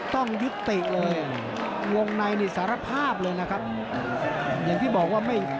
ต้องยุติเลยวงในนี่สารภาพเลยนะครับอย่างที่บอกว่าไม่